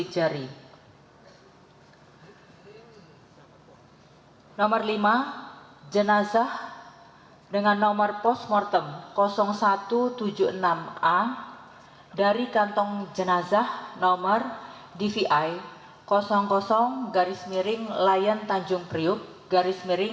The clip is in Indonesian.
empat jenazah nomor postmortem nomor satu ratus tujuh puluh enam a dari kantong jenazah nomor dvi garis miring layan tanjung priuk garis miring satu ratus tujuh puluh enam